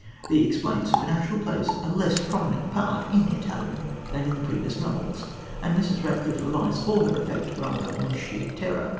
The "explained supernatural" plays a less prominent part in The Italian than in the previous novels, and Mrs. Radcliffe relies for her effect rather on sheer terror.